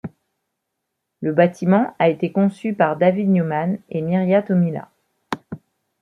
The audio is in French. Le bâtiment a été conçu par David Newman et Mirja Tommila.